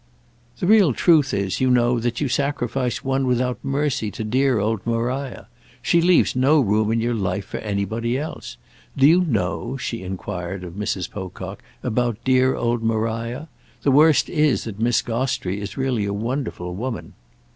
"The real truth is, you know, that you sacrifice one without mercy to dear old Maria. She leaves no room in your life for anybody else. Do you know," she enquired of Mrs. Pocock, "about dear old Maria? The worst is that Miss Gostrey is really a wonderful woman."